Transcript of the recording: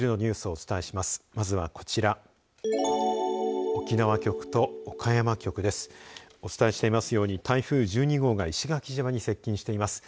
お伝えしていますように台風１２号が石垣島に接近しています。